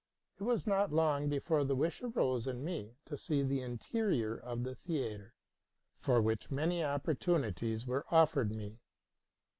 It was not long before the wish arose in me to see the interior of the theatre, for which many opportunities were offered me.